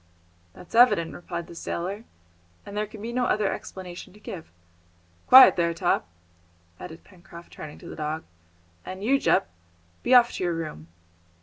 "That's evident," replied the sailor, "and there can be no other explanation to give. Quiet there, Top!" added Pencroft, turning to the dog, "and you, Jup, be off to your room!"